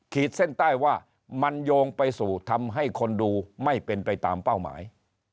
ขีดเส้นใต้ว่ามันโยงไปสู่ทำให้คนดูไม่เป็นไปตามเป้าหมาย